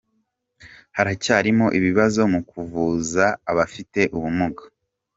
Haracyarimo ibibazo mu kuvuza abafite ubumuga.